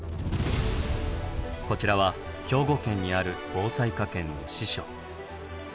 こちらは兵庫県にある防災科研の支所。